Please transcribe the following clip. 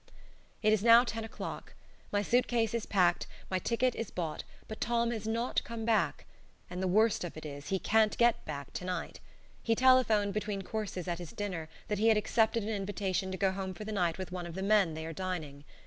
It is now ten o'clock. My suit case is packed, my ticket is bought, but Tom has not come back, and the worst of it is he can't get back to night. He telephoned between courses at his dinner that he had accepted an invitation to go home for the night with one of the men they are dining.